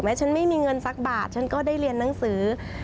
ฉันไม่มีเงินสักบาทฉันก็ได้เรียนหนังสือ